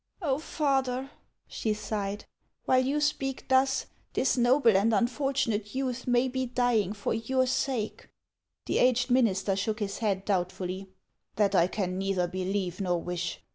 " Oh, father," she sighed, " while you speak thus, this noble and unfortunate youth may be dying for your sake !" The aged minister shook his head doubtfully. " That I can neither believe nor wish.